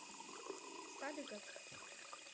Садыгак